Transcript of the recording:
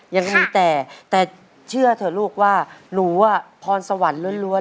ยังมีแต่แต่เชื่อเถอะลูกว่าหนูพรสวรรค์ล้วน